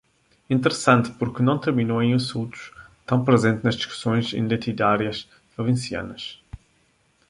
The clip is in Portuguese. Interessante porque não terminou em insultos, tão presente nas discussões identitárias valencianas.